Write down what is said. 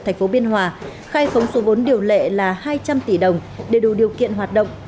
tp biên hòa khai phóng số vốn điều lệ là hai trăm linh tỷ đồng để đủ điều kiện hoạt động